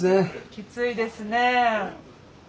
きついですねえ。